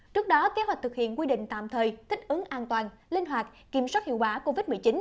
trước đó kế hoạch thực hiện quy định tạm thời thích ứng an toàn linh hoạt kiểm soát hiệu quả covid một mươi chín